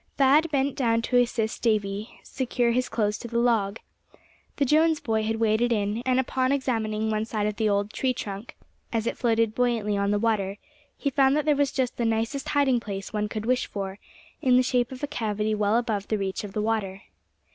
Thad bent down to assist Davy secure his clothes to the log. The Jones boy had waded in, and upon examining one side of the old tree trunk as it floated buoyantly on the water, he found that there was just the nicest hiding place one could wish for in the shape of a cavity well above the reach of the water.